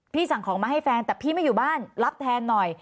สั่งของมาให้แฟนแต่พี่ไม่อยู่บ้านรับแทนหน่อย